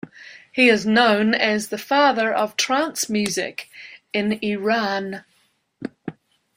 He is known as the father of trance music in Iran.